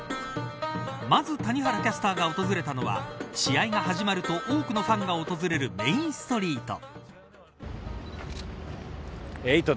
まず谷原キャスターが訪れたのは試合が始まると多くのファンが訪れるメーンストリート。